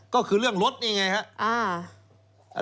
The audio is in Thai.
ก็คือเรื่องรถนี่ไงครับ